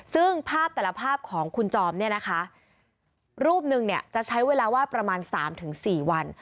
ซึ่งภาพแต่ละภาพของคุณจอมเนี่ยนะคะรูปหนึ่งเนี่ยจะใช้เวลาวาดประมาณ๓๔วัน